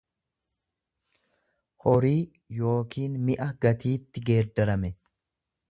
horii yookiin mi'a gatiitti geeddarame.